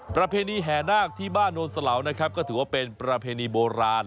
ประเพณีแห่นาคที่บ้านโนนสลาวนะครับก็ถือว่าเป็นประเพณีโบราณ